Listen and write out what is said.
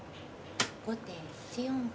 後手１四歩。